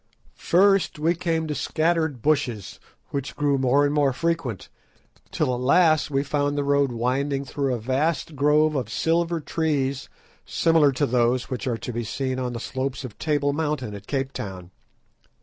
First we came to scattered bushes which grew more and more frequent, till at last we found the road winding through a vast grove of silver trees similar to those which are to be seen on the slopes of Table Mountain at Cape Town.